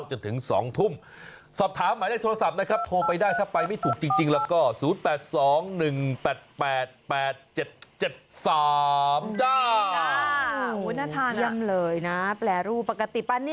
จนถึงสองทุ่มสอบถามหมายได้โทรศัพท์นะครับ